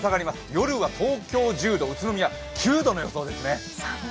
夜は東京１０度、宇都宮９度の予想ですね。